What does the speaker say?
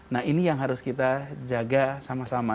nah ini yang harus kita jaga sama sama